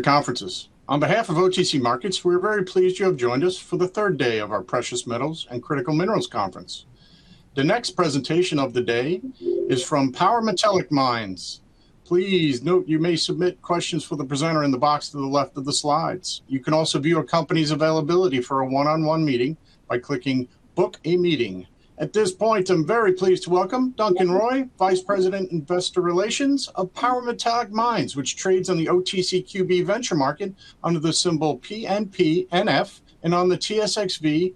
conferences. On behalf of OTC Markets, we're very pleased you have joined us for the third day of our Precious Metals and Critical Minerals Conference. The next presentation of the day is from Power Metallic Mines. Please note you may submit questions for the presenter in the box to the left of the slides. You can also view a company's availability for a one-on-one meeting by clicking Book a Meeting. At this point, I'm very pleased to welcome Duncan Roy, Vice President, Investor Relations of Power Metallic Mines, which trades on the OTCQB Venture Market under the symbol PNPNF, and on the TSXV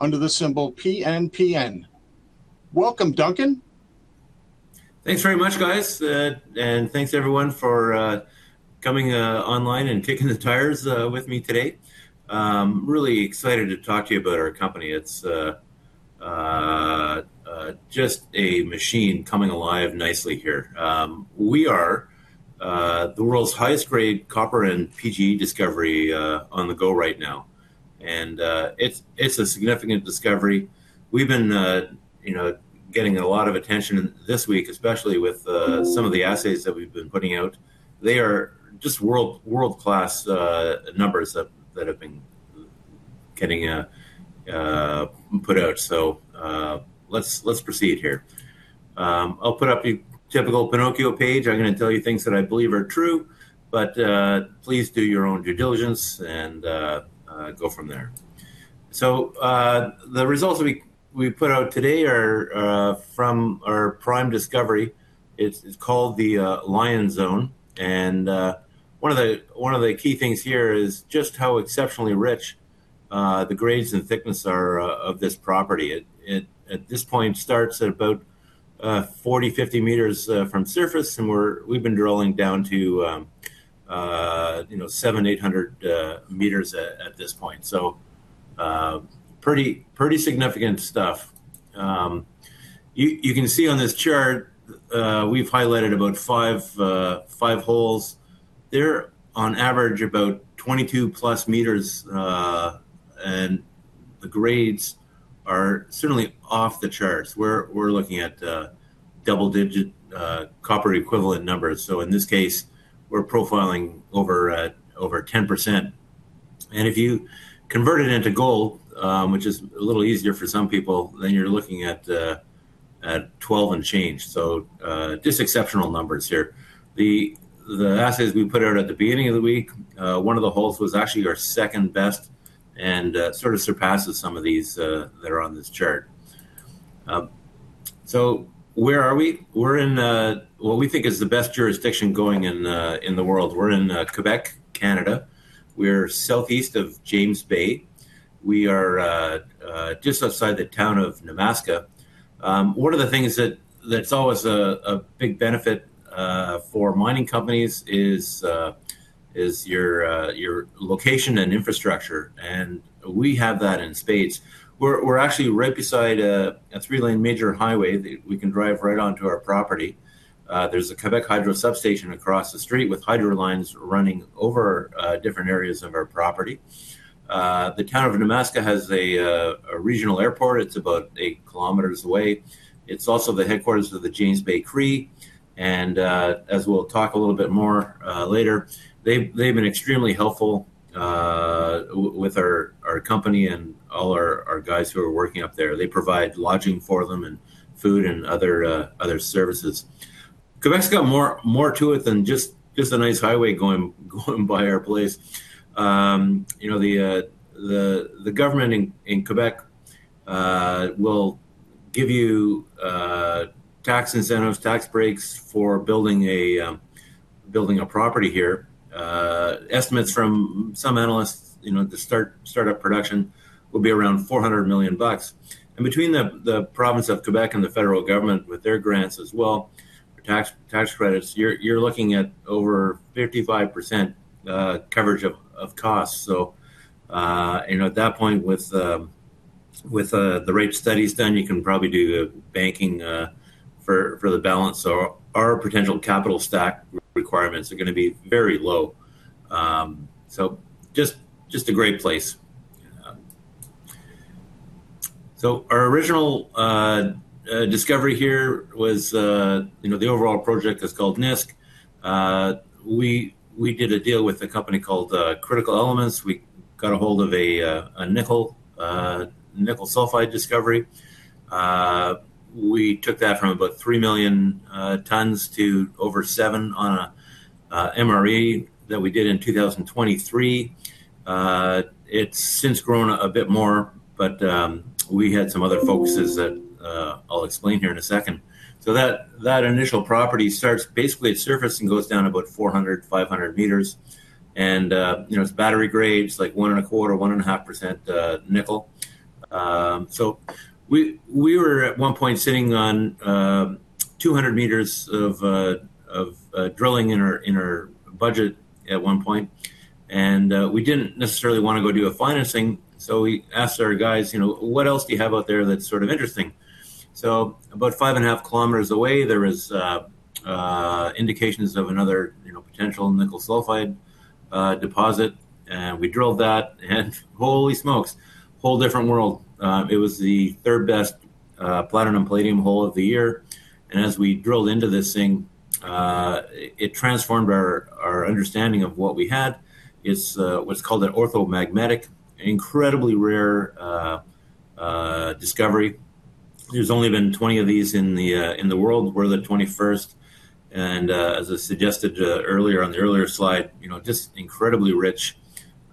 under the symbol PNPN. Welcome, Duncan. Thanks very much, guys. Thanks everyone for coming online and kicking the tires with me today. I'm really excited to talk to you about our company. It's just a machine coming alive nicely here. We are the world's highest grade copper and PGE discovery on the go right now. It's a significant discovery. We've been, you know, getting a lot of attention this week, especially with some of the assays that we've been putting out. They are just world-class numbers that have been getting put out. Let's proceed here. I'll put up your typical Pinocchio page. I'm gonna tell you things that I believe are true, but please do your own due diligence and go from there. The results that we put out today are from our prime discovery. It's called the Lion Zone. One of the key things here is just how exceptionally rich the grades and thickness are of this property. It at this point starts at about 40 m, 50 m from surface, and we've been drilling down to, you know, 700 m, 800 m at this point. Pretty significant stuff. You can see on this chart, we've highlighted about 5 holes. They're on average about 22+ m, and the grades are certainly off the charts. We're looking at double-digit copper equivalent numbers. In this case, we're profiling over 10%. If you convert it into gold, which is a little easier for some people, then you're looking at 12 and change. Just exceptional numbers here. The assays we put out at the beginning of the week, one of the holes was actually our second best and sort of surpasses some of these that are on this chart. Where are we? We're in what we think is the best jurisdiction going in in the world. We're in Québec, Canada. We're southeast of James Bay. We are just outside the town of Nemaska. One of the things that that's always a big benefit for mining companies is your location and infrastructure, and we have that in spades. We're actually right beside a three-lane major highway that we can drive right onto our property. There's a Québec Hydro substation across the street with hydro lines running over different areas of our property. The town of Nemaska has a regional airport. It's about 8 km away. It's also the headquarters of the James Bay Cree, and as we'll talk a little bit more later, they've been extremely helpful with our company and all our guys who are working up there. They provide lodging for them and food and other services. Québec's got more to it than just a nice highway going by our place. You know, the government in Québec will give you tax incentives, tax breaks for building a building a property here. Estimates from some analysts, you know, the start-up production will be around 400 million bucks. Between the province of Québec and the federal government with their grants as well, tax credits, you're looking at over 55% coverage of costs. You know, at that point with the rate of studies done, you can probably do the banking for the balance. Our potential capital stack requirements are gonna be very low. Just a great place. Our original discovery here was, you know, the overall project is called Nisk. We did a deal with a company called Critical Elements. We got a hold of a nickel sulfide discovery. We took that from about 3 million tons to over seven on a MRE that we did in 2023. It's since grown a bit more, but we had some other focuses that I'll explain here in a second. That initial property starts basically at surface and goes down about 400 m, 500 m, and you know, it's battery grade. It's like 1.25%, 1.5% nickel. We were at one point sitting on 200 m of drilling in our budget at one point. We didn't necessarily wanna go do a financing. We asked our guys, you know, "What else do you have out there that's sort of interesting?" About 5.5 km away there was indications of another, you know, potential nickel sulfide deposit. We drilled that, and holy smokes, whole different world. It was the third-best platinum palladium hole of the year. As we drilled into this thing, it transformed our understanding of what we had. It's what's called an orthomagmatic, incredibly rare discovery. There's only been 20 of these in the world. We're the 21st, as I suggested earlier on the earlier slide, you know, just incredibly rich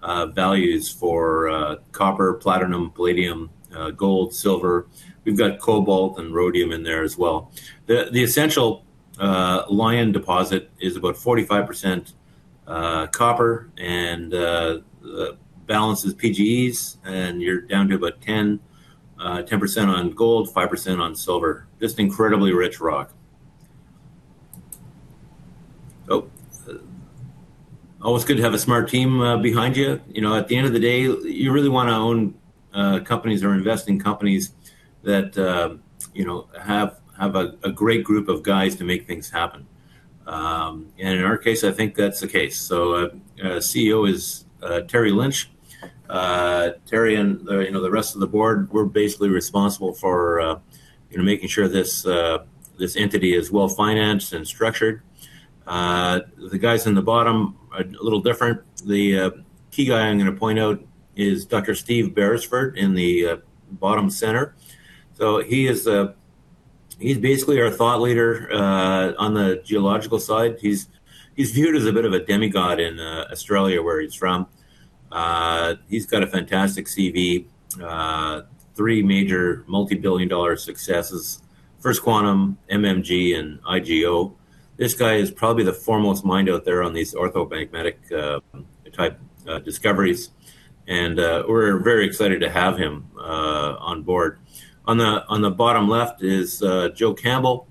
values for copper, platinum, palladium, gold, silver. We've got cobalt and rhodium in there as well. The essential Lion deposit is about 45% copper, the balance is PGEs, you're down to about 10% on gold, 5% on silver. Just incredibly rich rock. Oh. Always good to have a smart team behind you. You know, at the end of the day, you really wanna own companies or invest in companies that, you know, have a great group of guys to make things happen. In our case, I think that's the case. CEO is Terry Lynch. Terry and, you know, the rest of the board, we're basically responsible for, you know, making sure this entity is well-financed and structured. The guys in the bottom are a little different. The key guy I'm gonna point out is Dr. Steve Beresford in the bottom center. He is, he's basically our thought leader on the geological side. He's viewed as a bit of a demigod in Australia, where he's from. He's got a fantastic CV. Three major multi-billion dollar successes. First Quantum, MMG, and IGO. This guy is probably the foremost mind out there on these orthomagmatic type discoveries, and we're very excited to have him on board. On the, on the bottom left is Joe Campbell.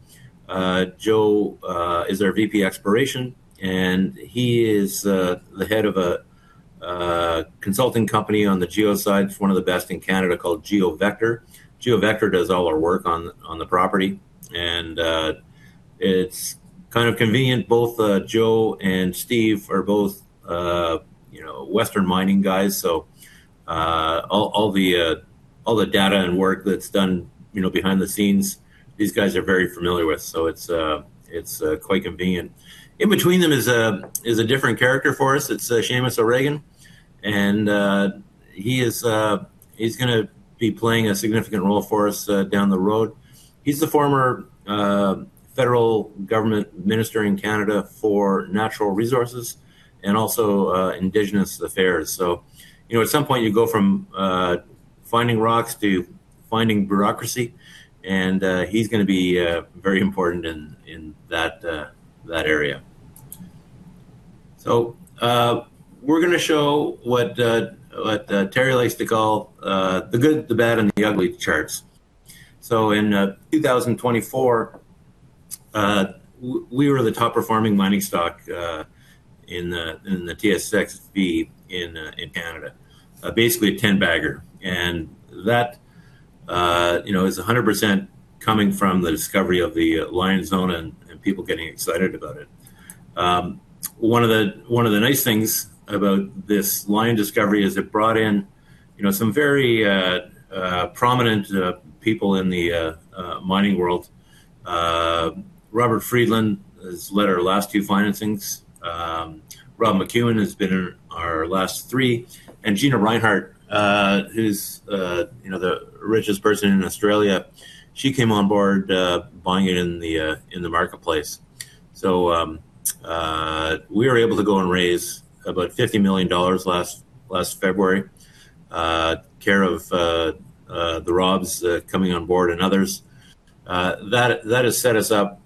Joe is our VP Exploration, and he is the head of a consulting company on the geo side, it's one of the best in Canada, called GeoVector. GeoVector does all our work on the property. It's kind of convenient, both Joe and Steve are both, you know, Western mining guys, so all the data and work that's done, you know, behind the scenes, these guys are very familiar with. It's quite convenient. In between them is a different character for us. It's Seamus O'Regan, and he is he's gonna be playing a significant role for us down the road. He's the former federal government minister in Canada for natural resources and also indigenous affairs. You know, at some point you go from finding rocks to finding bureaucracy, and he's gonna be very important in that area. In 2024, we were the top-performing mining stock in the TSX-V in Canada. Basically a 10-bagger. That, you know, is 100% coming from the discovery of the Lion Zone and people getting excited about it. One of the nice things about this Lion discovery is it brought in, you know, some very prominent people in the mining world. Robert Friedland has led our last two financings. Rob McEwen has been in our last three. Gina Rinehart, who's, you know, the richest person in Australia, she came on board, buying it in the marketplace. We were able to go and raise about 50 million dollars last February, care of the Robs coming on board and others. That has set us up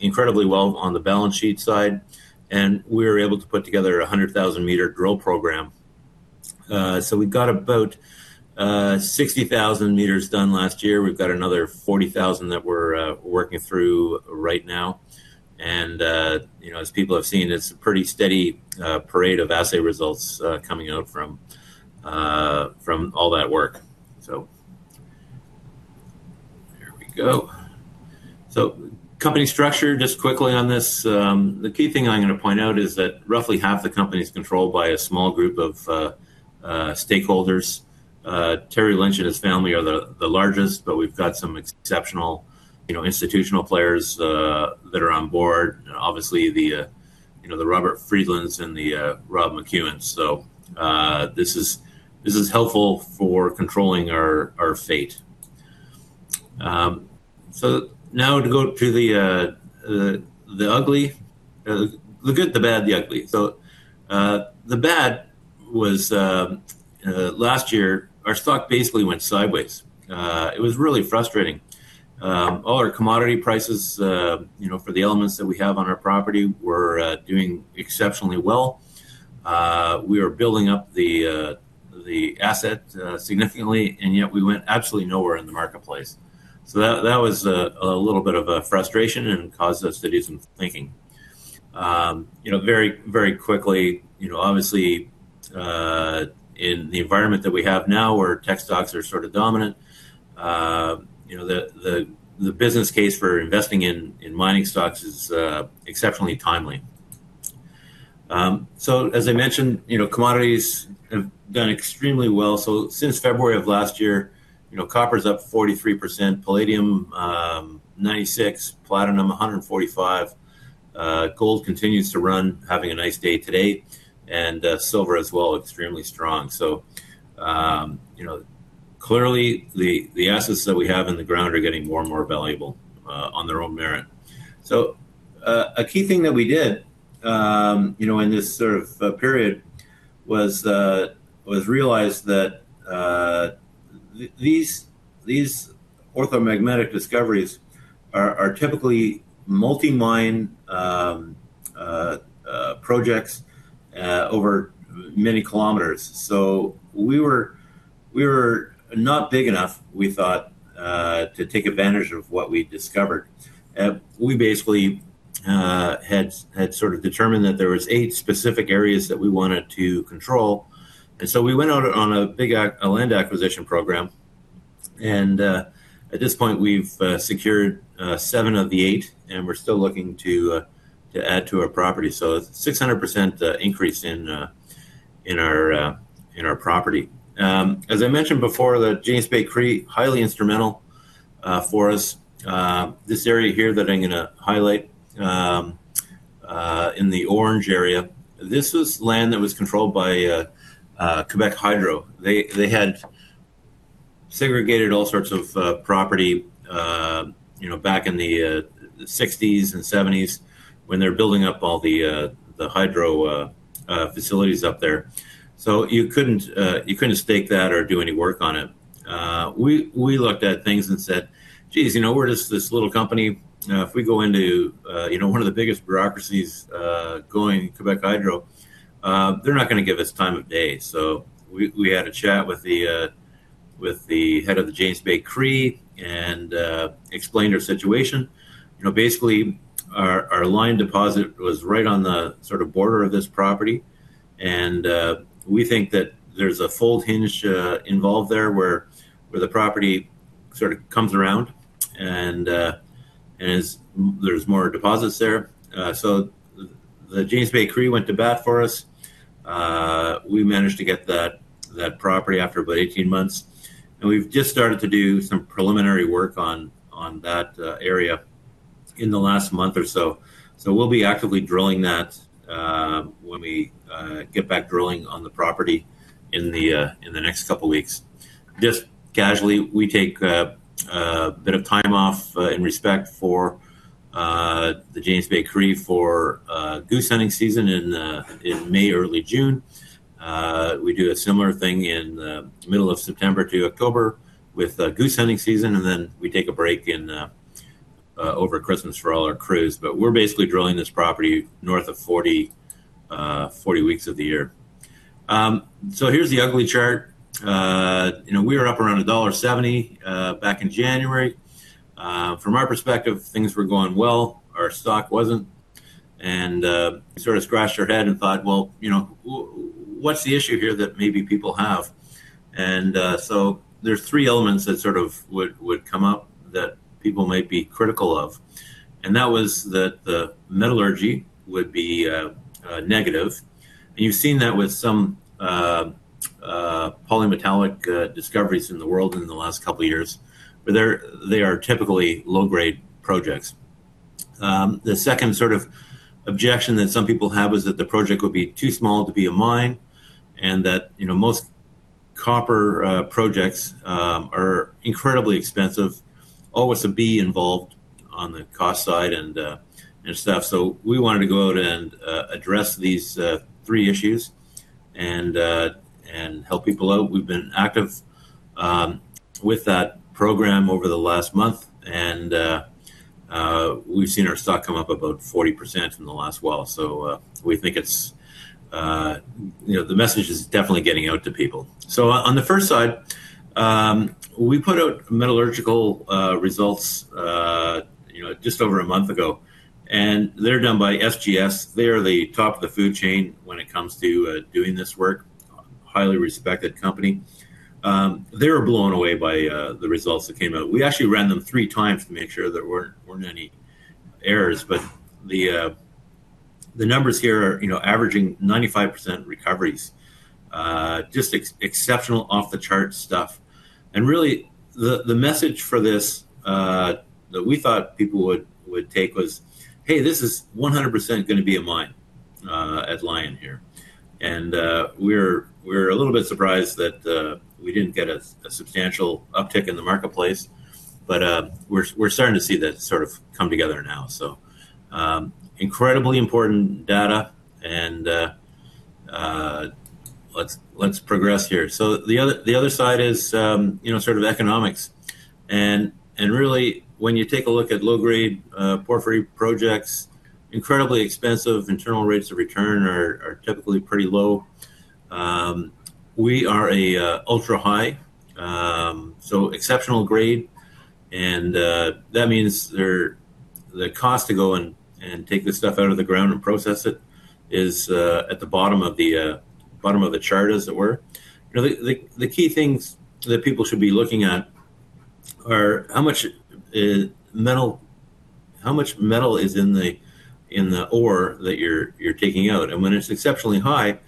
incredibly well on the balance sheet side, and we were able to put together a 100,000-meter drill program. We got about 60,000 meters done last year. We've got another 40,000 that we're working through right now. You know, as people have seen, it's a pretty steady parade of assay results coming out from all that work. Here we go. Company structure, just quickly on this. The key thing I'm gonna point out is that roughly half the company's controlled by a small group of stakeholders. Terry Lynch and his family are the largest, but we've got some exceptional, you know, institutional players that are on board. Obviously the, you know, the Robert Friedland and the Rob McEwen. This is helpful for controlling our fate. Now to go to the ugly. The good, the bad, the ugly. The bad was last year, our stock basically went sideways. It was really frustrating. All our commodity prices, you know, for the elements that we have on our property were doing exceptionally well. We were building up the asset significantly, yet we went absolutely nowhere in the marketplace. That, that was a little bit of a frustration and caused us to do some thinking. You know, very, very quickly, you know, obviously, in the environment that we have now where tech stocks are sort of dominant, you know, the business case for investing in mining stocks is exceptionally timely. As I mentioned, you know, commodities have done extremely well. Since February of last year, you know, copper's up 43%, palladium 96%, platinum 145%. Gold continues to run, having a nice day today, silver as well, extremely strong. You know, clearly the assets that we have in the ground are getting more and more valuable on their own merit. A key thing that we did, you know, in this sort of period was realize that these orthomagmatic discoveries are typically multi-mine projects over many kilometers. We were not big enough, we thought, to take advantage of what we'd discovered. We basically had sort of determined that there was eight specific areas that we wanted to control. We went out on a big a land acquisition program, and at this point we've secured seven of the eight, and we're still looking to add to our property. 600% increase in our property. As I mentioned before, the James Bay Cree, highly instrumental for us. This area here that I'm gonna highlight, in the orange area, this was land that was controlled by Hydro-Québec. They had segregated all sorts of property, you know, back in the 1960s and 1970s when they were building up all the hydro facilities up there. You couldn't, you couldn't stake that or do any work on it. We looked at things and said, "Geez, you know, we're just this little company. If we go into, you know, one of the biggest bureaucracies going, Hydro-Québec, they're not gonna give us the time of day." We had a chat with the head of the James Bay Cree and explained our situation. You know, basically our lion deposit was right on the sort of border of this property, we think that there's a fold hinge involved there where the property sort of comes around and there's more deposits there. The James Bay Cree went to bat for us. We managed to get that property after about 18 months. We've just started to do some preliminary work on that area in the last month or so. We'll be actively drilling that when we get back drilling on the property in the next couple weeks. Just casually, we take a bit of time off in respect for the James Bay Cree for goose hunting season in May, early June. We do a similar thing in middle of September to October with goose hunting season, and then we take a break over Christmas for all our crews. We're basically drilling this property north of 40 weeks of the year. Here's the ugly chart. You know, we were up around dollar 1.70 back in January. From our perspective, things were going well. Our stock wasn't, and sort of scratched our head and thought, "Well, you know, what's the issue here that maybe people have?" There's three elements that sort of would come up that people might be critical of, and that was that the metallurgy would be negative. You've seen that with some polymetallic discoveries in the world in the last couple years, where they are typically low-grade projects. The second sort of objection that some people have is that the project would be too small to be a mine, and that, you know, most copper projects are incredibly expensive, always a big involved on the cost side and stuff. We wanted to go out and address these three issues and help people out. We've been active with that program over the last month, and we've seen our stock come up about 40% in the last while. We think it's, you know, the message is definitely getting out to people. On the first side, we put out metallurgical results, you know, just over a month ago. They're done by SGS. They are the top of the food chain when it comes to doing this work. Highly respected company. They were blown away by the results that came out. We actually ran them 3x to make sure there weren't any errors. The numbers here are, you know, averaging 95% recoveries. Just exceptional, off-the-chart stuff. Really, the message for this that we thought people would take was, "Hey, this is 100% gonna be a mine at Lion here." We're a little bit surprised that we didn't get a substantial uptick in the marketplace, but we're starting to see that sort of come together now. Incredibly important data, let's progress here. The other, the other side is, you know, sort of economics. Really when you take a look at low-grade porphyry projects, incredibly expensive. Internal rates of return are typically pretty low. We are a ultra-high, so exceptional grade, and that means they're, the cost to go and take this stuff out of the ground and process it is at the bottom of the bottom of the chart, as it were. You know, the key things that people should be looking at or how much metal, how much metal is in the ore that you're taking out. When it's exceptionally high,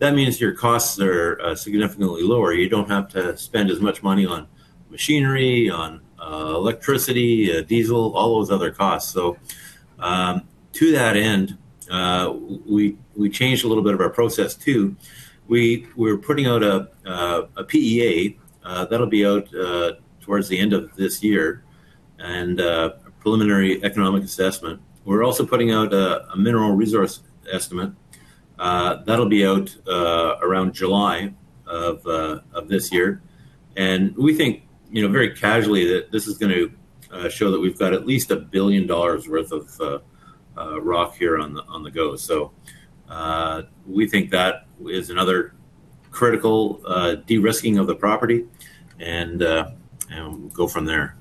that means your costs are significantly lower. You don't have to spend as much money on machinery, on electricity, diesel, all those other costs. To that end, we changed a little bit of our process too. We're putting out a PEA that'll be out towards the end of this year, a preliminary economic assessment. We're also putting out a mineral resource estimate that'll be out around July of this year. We think, you know, very casually that this is going to show that we've got at least 1 billion dollars worth of rock here on the go. We think that is another critical de-risking of the property and we'll go from there.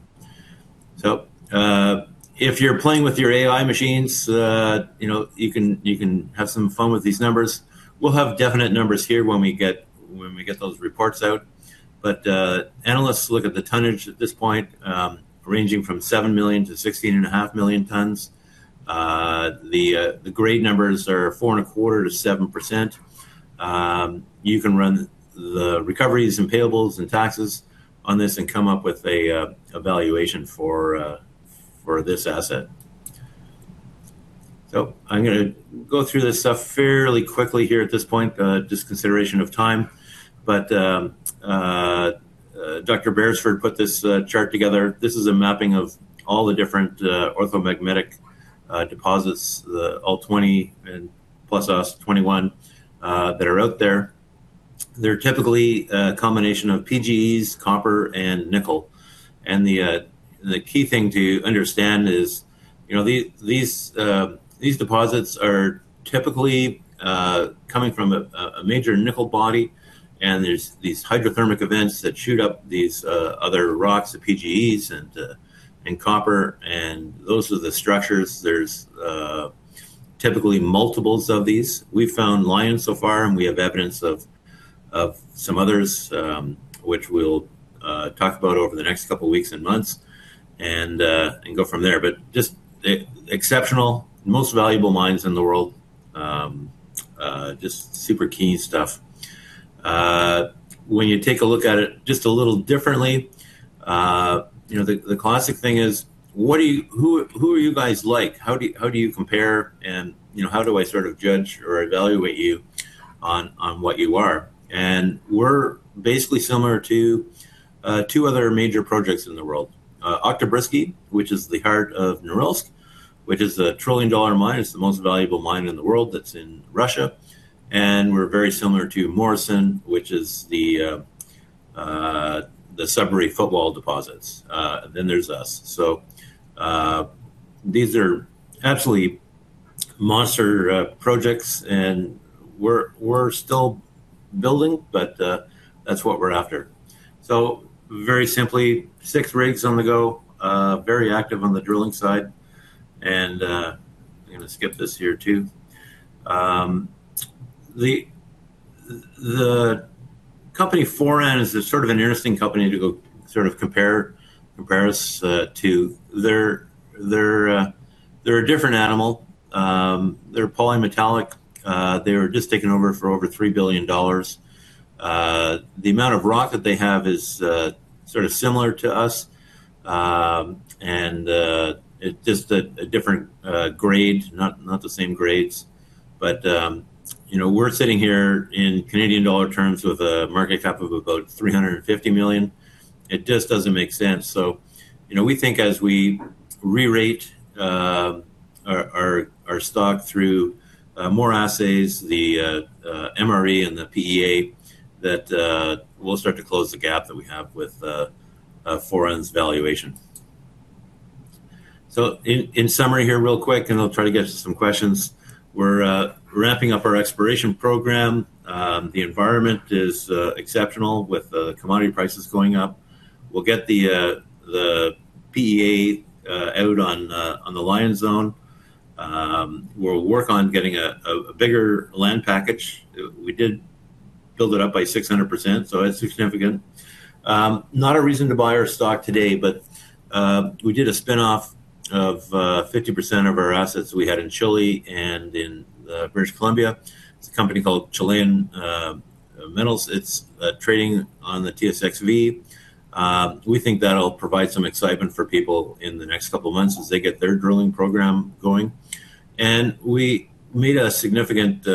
If you're playing with your AI machines, you know, you can have some fun with these numbers. We'll have definite numbers here when we get those reports out. Analysts look at the tonnage at this point, ranging from 7 million-16.5 million tons. The grade numbers are 4.25%-7%. You can run the recoveries and payables and taxes on this and come up with a valuation for this asset. I'm gonna go through this stuff fairly quickly here at this point, just consideration of time. Dr. Beresford put this chart together. This is a mapping of all the different orthomagmatic deposits, the all 20 and plus us 21, that are out there. They're typically a combination of PGEs, copper and nickel. The key thing to understand is, you know, these deposits are typically coming from a major nickel body, and there's these hydrothermal events that shoot up these other rocks, the PGEs and copper, and those are the structures. There's typically multiples of these. We've found Lion so far, and we have evidence of some others, which we'll talk about over the next couple of weeks and months and go from there. Just exceptional, most valuable mines in the world. Just super key stuff. When you take a look at it just a little differently, you know, the classic thing is, who are you guys like? How do you compare? You know, how do I sort of judge or evaluate you on what you are? We're basically similar to two other major projects in the world. Oktyabrsky, which is the heart of Norilsk, which is a 1 trillion dollar mine. It's the most valuable mine in the world. That's in Russia. We're very similar to Morrison, which is the Sudbury Footwall deposits. There's us. These are absolutely monster projects, and we're still building, that's what we're after. Very simply, 6 rigs on the go, very active on the drilling side. I'm gonna skip this here too. The company Foran is a sort of an interesting company to go sort of compare us to. They're a different animal. They're polymetallic. They were just taken over for over 3 billion dollars. The amount of rock that they have is sort of similar to us. It's just a different grade, not the same grades. You know, we're sitting here in Canadian dollar terms with a market cap of about 350 million. It just doesn't make sense. You know, we think as we re-rate our stock through more assays, the MRE and the PEA, that we'll start to close the gap that we have with Foran's valuation. In summary here real quick, and I'll try to get to some questions, we're wrapping up our exploration program. The environment is exceptional with the commodity prices going up. We'll get the PEA out on the Lion Zone. We'll work on getting a bigger land package. We did build it up by 600%, so that's significant. Not a reason to buy our stock today, but we did a spin-off of 50% of our assets we had in Chile and in British Columbia. It's a company called Chilean Metals. It's trading on the TSXV. We think that'll provide some excitement for people in the next couple of months as they get their drilling program going. We made a significant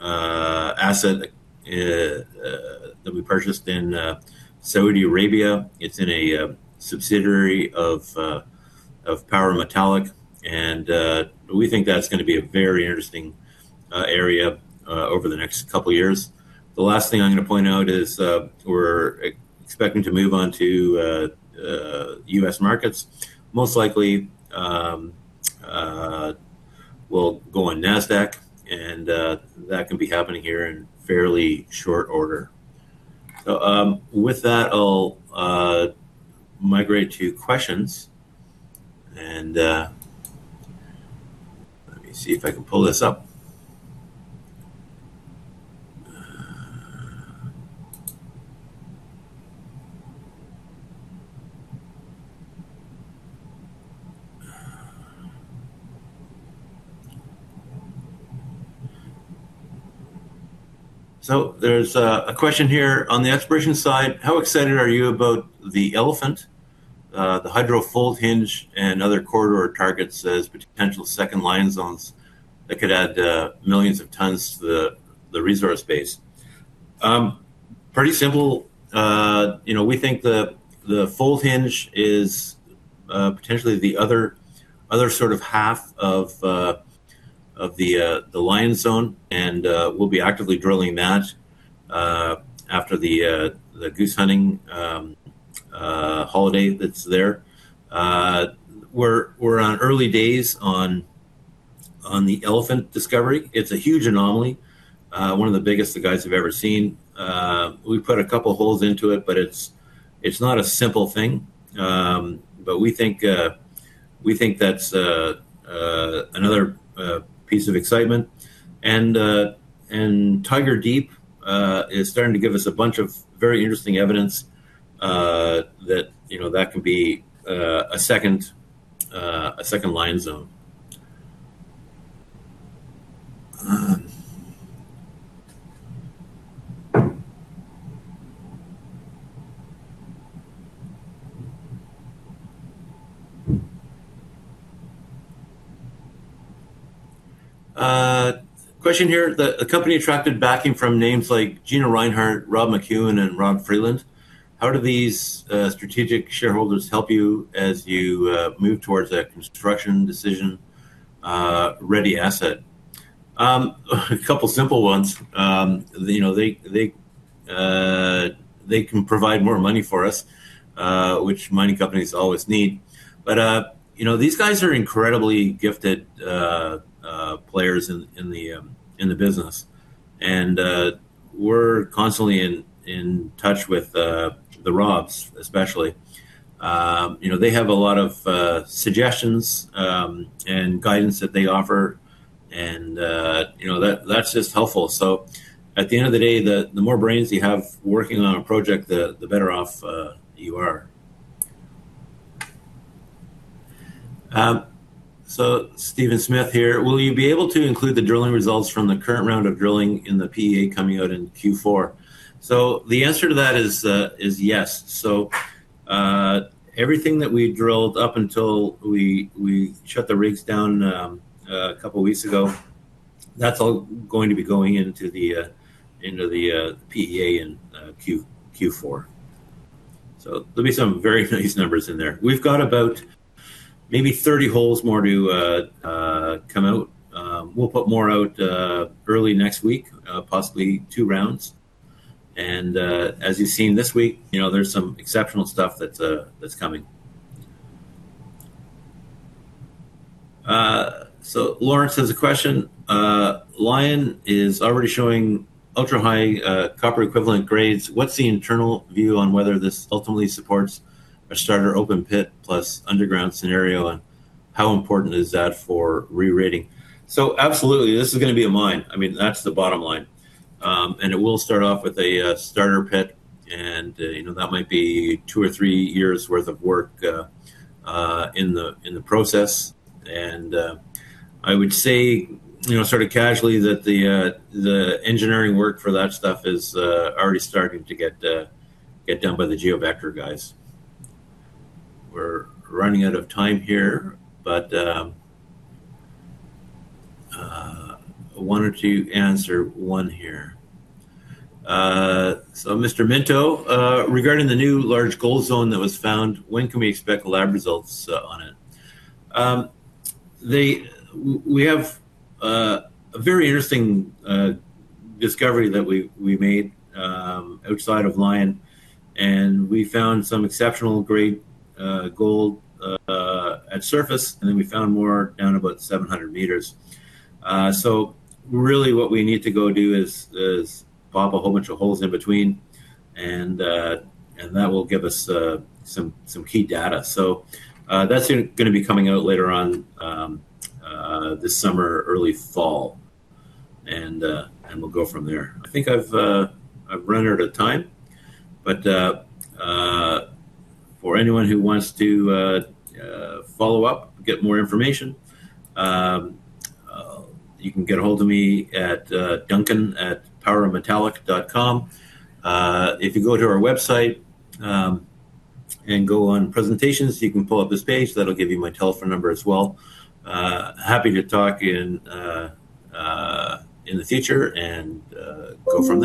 asset that we purchased in Saudi Arabia. It's in a subsidiary of Power Metallic Mines. We think that's gonna be a very interesting area over the next couple of years. The last thing I'm gonna point out is we're expecting to move on to U.S. markets. Most likely, we'll go on Nasdaq, that can be happening here in fairly short order. With that, I'll migrate to questions. Let me see if I can pull this up. There's a question here on the exploration side. How excited are you about the Elephant, the hydrothermal fold hinge and other corridor targets as potential second Lion zones that could add millions of tons to the resource base? Pretty simple. You know, we think the fold hinge is potentially the other sort of half of the Lion zone and we'll be actively drilling that after the goose hunting holiday that's there. We're on early days on the Elephant discovery. It's a huge anomaly, one of the biggest the guys have ever seen. We put a couple holes into it, but it's not a simple thing. We think that's another piece of excitement. Tiger Deep is starting to give us a bunch of very interesting evidence, that, you know, that could be a second Lion zone. Question here. The company attracted backing from names like Gina Rinehart, Rob McEwen, and Robert Friedland. How do these strategic shareholders help you as you move towards that construction decision ready asset? A couple simple ones. You know, they can provide more money for us, which mining companies always need. You know, these guys are incredibly gifted players in the business and we're constantly in touch with the Robs especially. You know, they have a lot of suggestions and guidance that they offer and you know, that's just helpful. At the end of the day, the more brains you have working on a project, the better off you are. Steven Smith here. Will you be able to include the drilling results from the current round of drilling in the PEA coming out in Q4? The answer to that is yes. Everything that we drilled up until we shut the rigs down a couple weeks ago, that's all going to be going into the PEA in Q4. There'll be some very nice numbers in there. We've got about maybe 30 holes more to come out. We'll put more out early next week, possibly two rounds. As you've seen this week, you know, there's some exceptional stuff that's coming. Lawrence has a question. Nisk is already showing ultra high copper equivalent grades. What's the internal view on whether this ultimately supports a starter open pit plus underground scenario, and how important is that for rerating? Absolutely, this is gonna be a mine. I mean, that's the bottom line. It will start off with a starter pit, you know, that might be two or three years' worth of work in the process. I would say, you know, sort of casually that the engineering work for that stuff is already starting to get done by the GeoVector guys. We're running out of time here. I wanted to answer one here. Mr. Minto, regarding the new large gold zone that was found, when can we expect the lab results on it? We have a very interesting discovery that we made outside of Lion, and we found some exceptional grade gold at surface, and then we found more down about 700 meters. Really what we need to go do is pop a whole bunch of holes in between and that will give us key data. That's gonna be coming out later on this summer or early fall and we'll go from there. I think I've run out of time, for anyone who wants to follow up, get more information, you can get ahold of me at duncan@powermetallic.com. If you go to our website and go on presentations, you can pull up this page, that'll give you my telephone number as well. Happy to talk in the future and go from there.